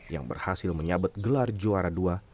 yang berhasil menyabet gelar juara dua